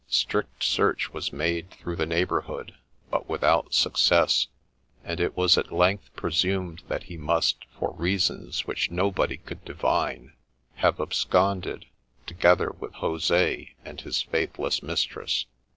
Strict search was made through the neighbourhood, but without success ; and it was at length presumed that he must, for reasons which nobody could divine, have absconded, together with Jose and his faithless mistress.